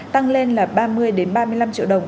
tăng lên là ba mươi ba mươi năm triệu đồng